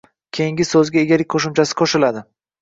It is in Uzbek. keyingi soʻzga egalik qoʻshimchasi qoʻshiladi